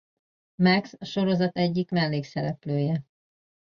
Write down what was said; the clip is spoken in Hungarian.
Max a sorozat egyik mellékszereplője.